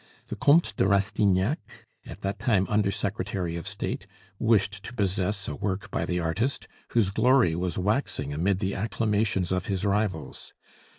The Comte de Rastignac, at that time Under secretary of State, wished to possess a work by the artist, whose glory was waxing amid the acclamations of his rivals.